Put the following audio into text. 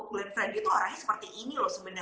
glenn friendly itu arahnya seperti ini loh sebenarnya